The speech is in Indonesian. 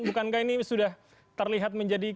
bukankah ini sudah terlihat menjadi